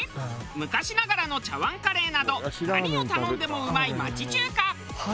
昔ながらの茶碗カレーなど何を頼んでもうまい町中華。